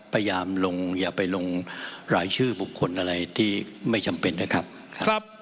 พยายามลงอย่าไปลงรายชื่อบุคคลอะไรที่ไม่จำเป็นนะครับครับ